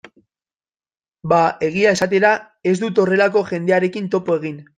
Ba, egia esatera, ez dut horrelako jendearekin topo egin.